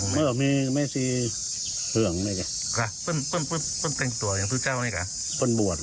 เหมือนปฏิบัติธรรมนี่กัน